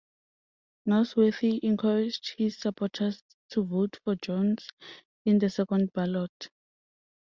Nosworthy encouraged his supporters to vote for Jones in the second ballot.